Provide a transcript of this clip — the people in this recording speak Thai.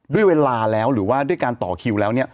ด้วยเวลาแล้วหรือว่าด้วยการต่อคิวแล้วเนี่ย